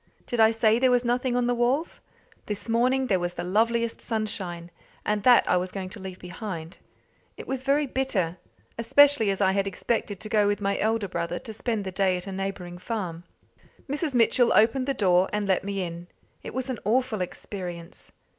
Did I say there was nothing on the walls? This morning there was the loveliest sunshine, and that I was going to leave behind. It was very bitter, especially as I had expected to go with my elder brother to spend the day at a neighbouring farm. Mrs. Mitchell opened the door, and led me in. It was an awful experience.